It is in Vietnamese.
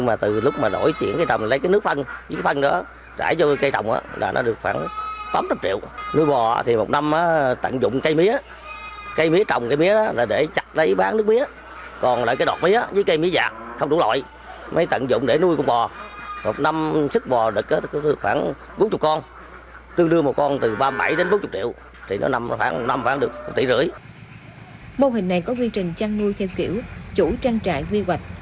mô hình này có quy trình trang nuôi theo kiểu chủ trang trại quy hoạch